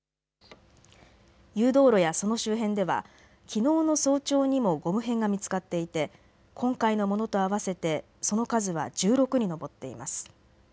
誘導路やその周辺では、きのうの早朝にもゴム片が見つかっていて今回のものと合わせてその数は１６に上っています。